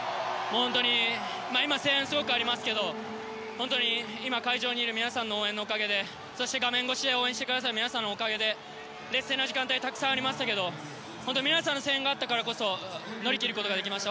本当に、今声援がすごくありますが今会場にいる皆さんの応援のおかげで画面越しに応援してくださる皆さんのおかげで劣勢の時間帯もありましたが皆さんの声援があったからこそ乗り切ることができました。